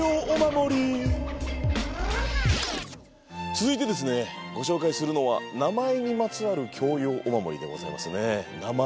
続いてですねご紹介するのは名前にまつわる教養お守りでございますね。